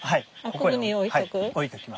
ここに置いとく？